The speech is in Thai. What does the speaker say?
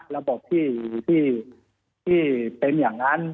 ระบบที่เป็นอย่างนั้น